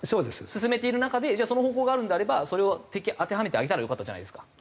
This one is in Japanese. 進めている中でじゃあその方法があるのであればそれを当てはめてあげたらよかったじゃないですか。